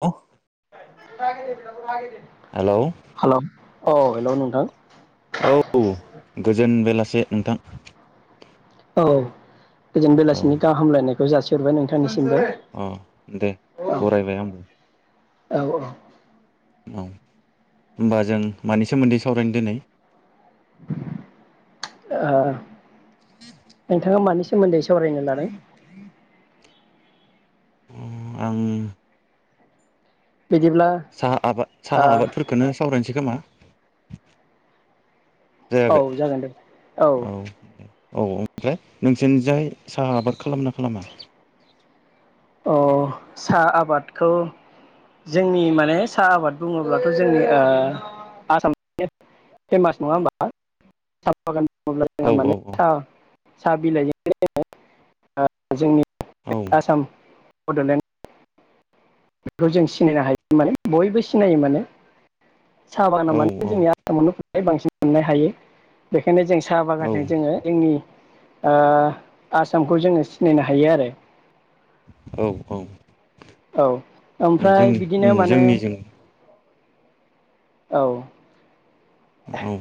अ। [inaudible] Hello हेल औ hello नोंथां औ गोजोन बेलासे नोंथां औ। गोजोन औ बेलासिनि गाहामलायनाय खौ जासि हरबाय नोंथांनिसि अ दे बरायबाय आं। औ औ। औ होमबा जों मानि सोमोन्दै सावरायनो दिनै ओ नोंथाङा मानि सोमोन्दै सावरायनो लादों। ओम आं। बिदिब्ला साहा आबाद ओ साहा आबादफोरखौनो सावरायनोसै गोमा औ जागोन दे औ। औ ओमफ्राय नोंसोरनिजाय साहा आबाद खालामना खालामा अ सा आबादखौ जोंनि माने साहा आबाद बुङोब्लाथ जोंनि ओ आसाम फेमास नङा होमबा सा बागान अब्ला औ जोंहा औ माने सा साबिलाइ ओ जोंनि औ आसाम बडलेण्ड बेखौ जों सिनायनो हायो माने बयबो सिनायो माने साहाबागान आ औ माने जोंनि आसामावनो हाय बांसिन मोननो हायो बे खायनो जों साहा औ बागानजों जोङो जोंनि ओ आसामखौ जोङो सिनायनो हायो आरो औ औ औ ओमफ्राय जोंनि बिदिनो माने जोंनिजों औ औ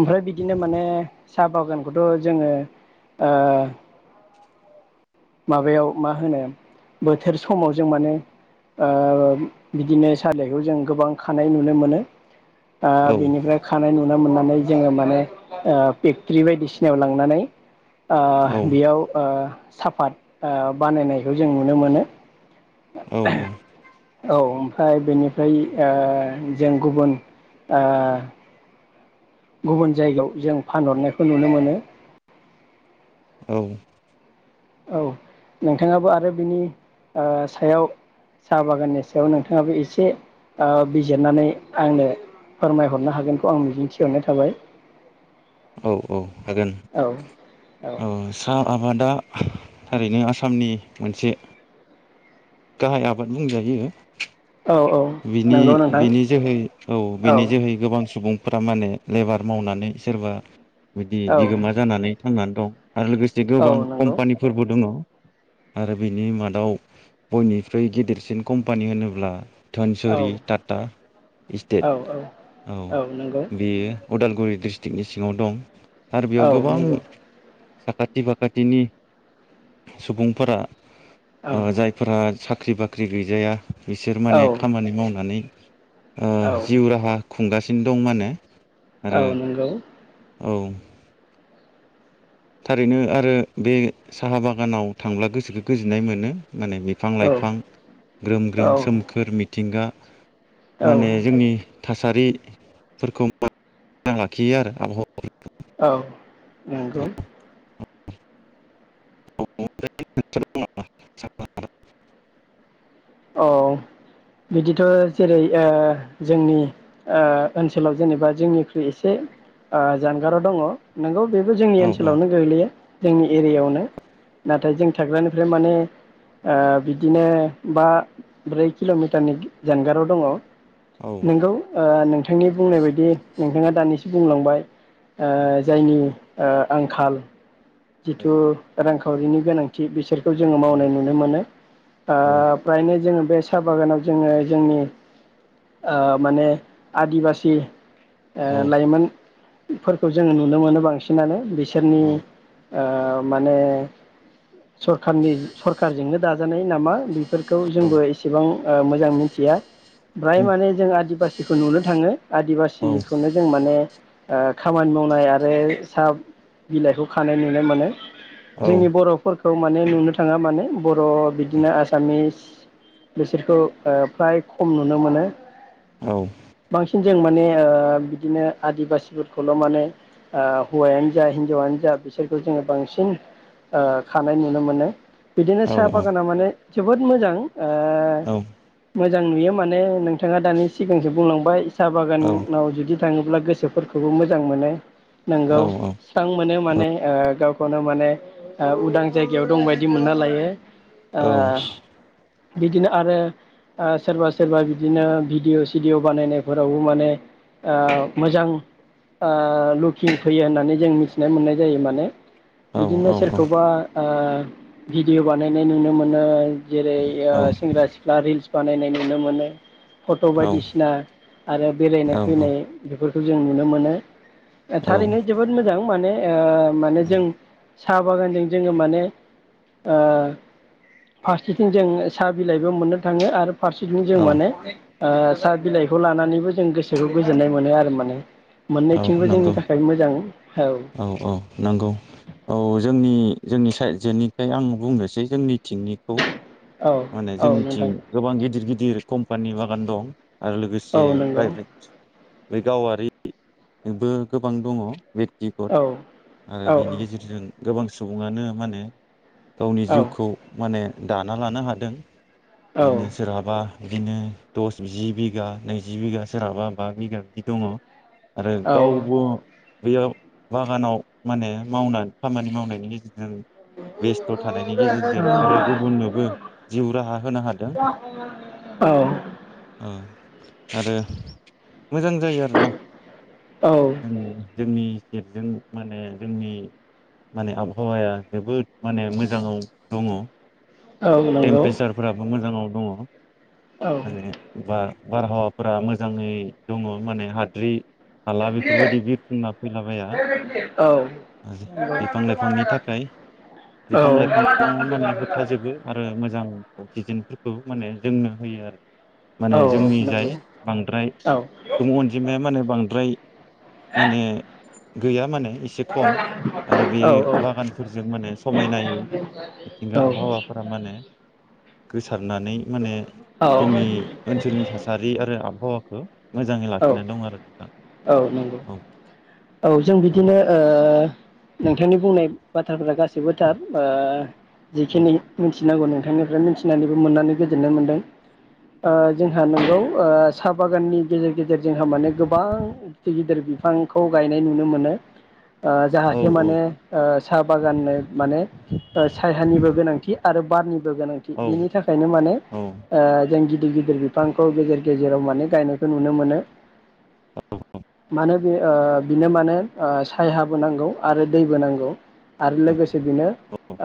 ओमफ्राय बिदिनो माने साहा बागानखौथ' जोङो ओ माबायाव मा होनो बोथोर समाव जों माने ओ बिदिनो सा बिलाइखौ जों गोबां खानाय नुनो मोनो। ओ औ बेनिफ्राय खानाय नुयो नुनो मोननानै जोङो माने ओ फेक्ट्रि बायदिसिनायाव लांनानै आ औ बेयाव ओ साफाद ओ बानायनायखौ जों नुनो मोनो। औ औ औ ओमफ्राय बेनिफ्राय ओ जों गुबुन आ गुबुन जायगायाव जों फानहरनायखौ नुनो मोनो। औ औ नोंथाङाबो आरो बिनि ओ सायाव साहा बागाननि सायाव नोंथाङाबो एसे ओ बिजिरनानै आंनो फोरमायहरनो हागोनखौ आं मिजिंथिहरनाय थाबाय। औ औ हागोन औ औ सा आबादा थारैनो आसामनि मोनसे गाहाय आबाद बुंजायो। औ औ बिनि नंगौ नोंथां बिनि जोहै औ बिनि जोहै गोबां सुबुं फोरा माने लेबार मावनानै सोरबा बिदि औ बिगोमा जानानै थांनानै दं आरो लोगोसे औ गोबां नंगौ कम्पानिफोरबो दङ। आरो बिनि मादाव बयनिख्रुइ गेदेरसिन कम्पानि होनोब्ला औ धनसुरि टाटा इस्टेट औ औ बेयो उदालगुरि डिस्ट्रिक्टनि सिङाव दं। आरो बेयाव औ गोबां नंगौ साखाथि फाखाथिनि सुबुंफोरा औ ओ जायफोरा सा ख्रि बाख्रि गैजाया। बिसोर माने औ खामानि मावनानै। ओ औ जिउ राहा। खुंगासिनो दं माने। आरो औ नंगौ। औ। थारैनो आरो बे साहा बागानाव थांब्ला गोसोखौ गोजोननाय मोनो। माने बिफां औ लाइफां ग्रोम ग्रोम औ सोमखोर मिथिंगा। माने जोंनि। थासारिफोरखौ मोजां लाखियो आरो आबहावाफोरखौ। औ नंगौ। [inaudible] औ बिदिथ' जेरै ओ जोंनि ओ ओनसोलाव जेनेबा जोंनि एसे ओ जानगाराव दङ नंगौ बेबो जोंनि औ ओनसोलावनो गोग्लैयो। जोंनि एरियायावनो नाथाय जों थाग्रानिफ्राय माने ओ बिदिनो। बा ब्रै किल'मिटारनि जानगाराव दङ। औ नंगौ ओ नोंथांनि बुंनाय बायदि। नोंथाङा दानिसो बुंलांबाय। ओ औ जायनि। ओ आंखाल। जिथु रांखावरिनि गोनांथि बिसोरखौ जोङो औ मावनाय नुनो मोनो। ओ फ्रायनो जोङो। बे साहा बागानाव जोङो जोंनि ओ माने आदिबासि। ओ औ लाइमोन। फोरखौ जोङो नुनो मोनो बांसिनानो बि औ सोरनि ओ माने सरखारनि सरखारजोंनो दाजानाय नामा बेफोर। खौ जोंबो एसेबां। ओ मोजां मिथिया। ब्राय औ माने जों आदिबासि। [unintelligible] नुनो थाङो आदिबासिखौनो जों माने ओ खामानि मावनाय आरो साहा बिलाइखौ खानाय नु नो मोनो जोंनि बर'फोरखौ माने नुनो थाङा माने बर' बिदिनो आसामिस बिसोरखौ ओ फ्राय खम नुनो मोनो औ बांसिन जों माने ओ बिदिनो आदिबासिफोरखौल' माने ओ हौवायानो जा हिनजावानो जा बिसोर सोरखौ जोङो बांसिन ओ खानाय नुनो मोनो। बिदिनो साहा बागाना माने जोबोद मोजां। ओ मोजां नुयो माने नोंथाङा दानि सिगांसो बुंलांबाय साहा औ बागानाव जुदि थाङोब्ला गोसोफोरखौबो मोजां मोनो। नोंगौ औ स्रां मोनो। औ माने ओ गावखौनो माने ओ उदां जायगायाव दं बायदि मोनना लायो। औ ओ बिदिनो आरो ओ सोरबा सोरबा बिदिनो भिडिय' सिडिय' बानायनायफोरावबो माने ओ मोजां ओ लुकिं फैयो होन्नानै जों मिथिनानै मोन्नाय जायो माने बिदिनो सोरखौबा ओ भिडिअ बानायनाय नुनो मोनो जेरै ओ सेंग्रा सिख्ला रिल्स बानायनाय नुनो मोनो फट' बायदिसिना आरो बेरायनाय औ फैनाय बेफोर खौ जों नुनो मोनो ओ औ थारैनो जोबोद मोजां माने ओ माने जों साहा बागानजों जोङो माने ओ फारसेथिं जों साहा बिलाइबो मोन्नो थाङो आरो फारसेथिं जों औ माने ओ साहा बिलाइखौ लानानैबो जों गोसोखौ गोजोन्नाय मोनो आरो माने औ मोननैथिंबो जोंनि नंगौ थाखाय मोजां। औ औ औ नंगौ औ जोंनि जोंनि साइदजेनिफ्राय आं बुंनोसै जोंनिथिंनिखौ। औ माने औ जोंनिथिं नोंथां गोबां गिदिर गिदिर कम्पानि बागान दं। आरो औ लोगोसे नंगौ प्राइभेट बे गावारिबो गोबां दङ। बेक्तिगत औ आरो बेनि गेजेरजों गोबां सुबुङानो माने गावनि औ जिउखौ माने दाना लानो हाद दों औ बिदिनो सोरहाबा बिदिनो दस जि बिगा नैजि बिगा सोरहाबा बा बिगा बिदि दङ आरो औ औ गावबो बेयाव बागानाव माने मावनानै खामानि मावनायनि गेजेरजों बेस्थ' थानायनि गेजेरजों आरो गुबुननोबो जिउ राहा होनो हादों ओं आरो मोजां जायो आरोना औ जोंनि जोंनि गेटजों माने जोंनि माने आबहावाया जोबोद माने मोजाङाव दङ नंगौ टेमपेसारफोराबो मोजाङाव दङ औ माने बा बारहावाफोरा मोजाङै दङ माने हाद्रि हाला बेफोरबायदि बिरफुंना फैलाबाया औ औ आरो बिफां नंगौ लाइफांनि थाखाय औ बिफां लाइफाङाव माने होबथाजोबो। मोजां अक्सिजेनफोरखौ माने जोंनो होयो आरो औ माने औ जोंनि नंगौ जाय बांद्राय औ सुबुं अनजिमाया माने बांद फ्राय माने गैया माने एसे खम आरो बे बागानफोरजों माने औ थारमाने गोसारनानै माने जोंनि ओनसोलनि थासारि आरो आब आबहावाखो मोजाङै लाखिनानै दं आरो नोंथां औ औ जों बिदिनो ओ नोंथांनि बुंनाय बाथ्राफ्रा गासै गासैबो थार ओ औ जिखिनि मिथि थिनांगौ नोंथांनिफ्राय मिथिनानैबो मोननानै गोजोननाय मोनदों ओ जोंहा नंगौ ओ साहा बागाननि गेजेर गेजेर जोंहा माने गोबां गदिर गिदिर फांखौ खौ गायनाय नुनो मोनो ओ औ जाहाथे माने ओ साहा बागानो माने ओ सायहानिबो गोनांथि आरो बारनिबो गोनांथि औ बेनि थाखायनो माने ओ जों गि दि गिदिर बिफांखौ गेजेर गेजेराव माने गायनायखौ नुनो मोनो । मानो बे ओ बिनो मानो सायहाबो नांगौ आरो दैबो नांगौ आरो लोगोसे बिनो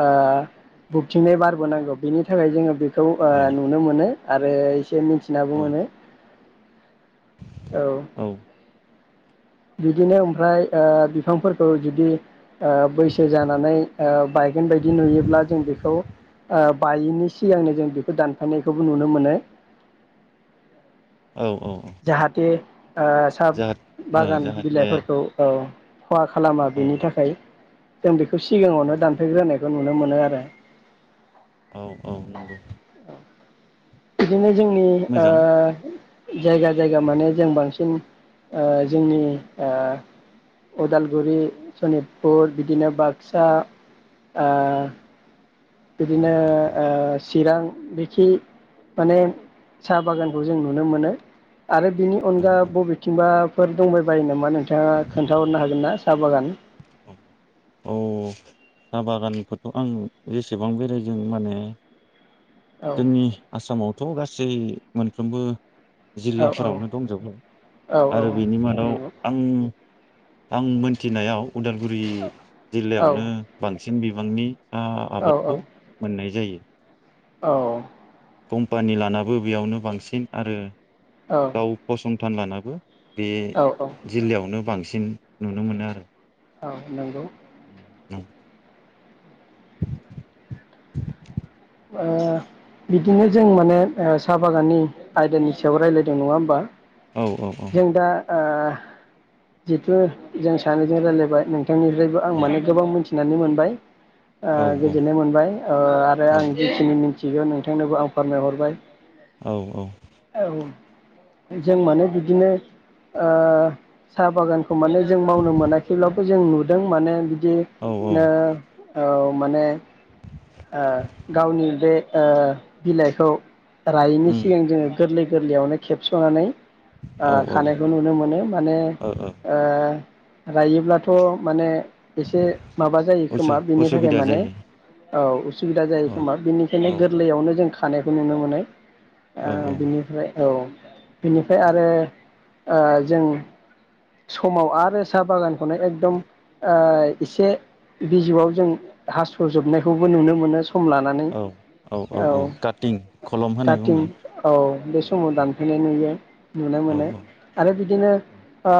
ओ बुबथिंनाय बारबो नांगौ बेनि थाखाय जोङो बे खौ ओ औ नुनो मोनो । आरो एसे मि थिनाबो मोनो । औ । बिदिनो ओमफ्राय ओ बिफांफोरखौ जुदि ओ बैसो जानानै आ बायगोन बायदि नुयोब्ला जों बेखौ आ बायैनि सिगांनो जों बेखौ दानफायनायखौबो नुनो मोनो । औ औ औ । आ साहा बागान बिलाइफोरखौ औ खहा खालामा औ बेनि थाखाय । जों बि खौ औ सिगाङावनो दानफायग्रोनाय खौ नुनो मोनो आरो । औ औ नंगौ । बिदिनो जोंनि ओ जायगा जायगा माने जों बांसिन आ जोंनि आ उदालगुरि सनितपुर बिदिनो बाक्सा आ बिदिनो आ चिरां बेखि माने साहा बागानखौ जों नुनो मोनो । आरो बेनि औ अनगा औ बबेथिंबा फोर दंबायबायो नामा नों थाङा खोनथाहरनो हागोन ना? साहा बागान । औ औ साहा बागानखौथ आं जेसेबां बेराय दों माने औ जोंनि आसामाव थ' गासै मोनफ्रोमबो औ औ जिल्लाफोरावनो दंजोबो औ आरो बिनि मादाव नंगौ आं आं मोनथिनायाव उदालगुरि औ जिल्लायावनो बां सिन बिबांनि साहा आबादखौ मोननाय जायो । औ कम्पानि लानाबो बेयावनो बांसिन आरो गाव फसं - थान लानाबो बे औ औ जिल्लायावनो बां सिन नुनो मोनो आरो औ नंगौ [inaudible] ओ बिदिनो जों माने ओ साहा बागाननि आयदानि सायाव रायलायदों नङा होमबा? औ औ औ। जों दा ओ जिथु जों सानैजों रायलायबाय नों थांनिफ्रायबो आं औ माने गोबां मोन थिनानै मोनबाय। ओ औ गोजोननाय मोनबाय ओ आरो आं जि मिन्थिगौ नोंथांनोबो आं फोरमायहरबाय। औ औ। औ जों माने बिदिनो ओ साहा बागानखौ माने जों मावनो मोनाखैब्लाबो जों नुदों माने बि दि औ औ नो औ। माने ओ। गावनि बे ओ बिलाइखौ रायैनो उम सिगां जोङो गोरलै गोरलैयावनो खेबसनानै ओ औ औ खानायखौ नुनो मोनो माने ओ रायोब्लाथ' माने एसे माबा जायो उसु खोमा बिनि थाखाय उसुबिदा माने जायो औ उसुबिदा जायो। औ खोमा औ बेनिखायनो गोरलैयावनो जों खा खानायखौ नुनो मोनो। ओ औ बिनिफ्राय औ। बेनिफ्राय आरो ओ जों समाव आरो साहा बागानखौनो एकदम ओ एसे बिजौआव जों हासजोबनायखौबो नुनो मोनो स सम लानानै औ औ काटिं खलम होनाय काटिं बुङो औ बे औ समाव औ दानफायनाय नुयो नुनो औ मोनो औ आरो बिदिनो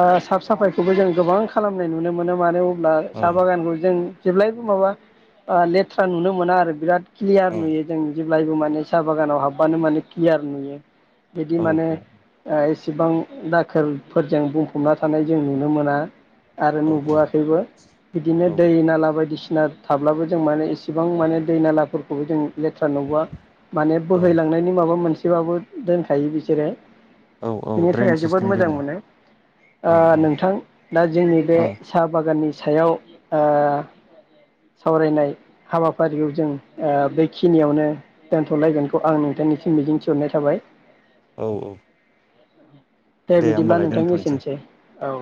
साफ साफायखौबो जों गोबां खालामनाय नुनो मोनो मानोे ब्ला औ साहा बागानखौ जों जेब्लायबो माबा ओ लेथ्रा नुनो मोना आरो बिराद क्लियार औ नुयो जों जेब्लायबो माने साहा बागानाव हाबबानो माने क्लियार नुयो। बिदि औ माने ओ एसेबां दाखोरफोरजों बुं फबना थानाय जों नुनो मोना। आरो नुबोआखैबो बिदिनो औ दै नाला बायदिसि ना थाब्लाबो जों माने एसेबां माने दै नालाफोरखौबो जों लेथ्रा नुबांङा। माने औ बोहैलांनायनि माबा मोनसे एसेबाबो दोनखायो बिसोरो औ औ बिनि ड्रेन थाखाय जोबोद सिस्टेम मोजां दोनो मोनो ओ औ औ नोंथां दा जोंनि बे औ साहा बागा ननि सायाव ओ सावरायनाय हाबाफारिखौ जों ओ बेखिनियावनो दोनथ'लायगोनखौ आं नोंथांनिसिम मिजिंथिहरनाय थाबाय। औ औ [inaudible] दे बिदिब्ला होमबालाय नोंथांनि दोनथ'नोसै एसेनोसै औ